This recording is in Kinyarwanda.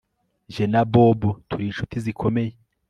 Jye na Bob turi inshuti zikomeye